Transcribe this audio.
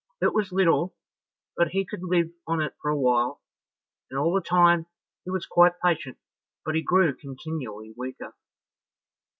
It was little, but he could live on it for a while, and all the time he was quite patient, but he grew continually weaker.